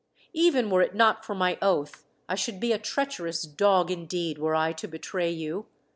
Even were it not for my oath, I should be a treacherous dog, indeed, were I to betray you.